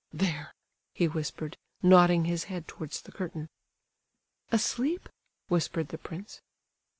"There," he whispered, nodding his head towards the curtain. "Asleep?" whispered the prince.